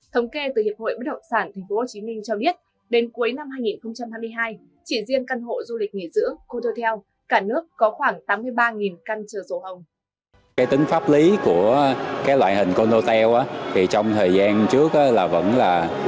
thống kê từ hiệp hội bất động sản tp hcm cho biết đến cuối năm hai nghìn hai mươi hai chỉ riêng căn hộ du lịch nghỉ dưỡng condotel